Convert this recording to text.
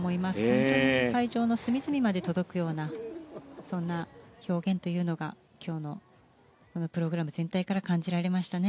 本当に会場の隅々まで届くようなそんな表現というのが今日のこのプログラム全体から感じられましたね。